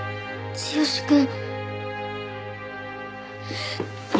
剛くん。